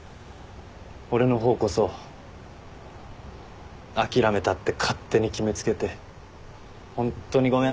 俺の方こそ諦めたって勝手に決め付けてホントにごめん。